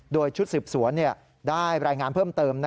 โดยชุดสืบสวนได้รายงานเพิ่มเติม